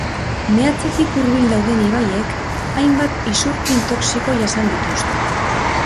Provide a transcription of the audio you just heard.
Meatzetik hurbil dauden ibaiek hainbat isurkin toxiko jasan dituzte.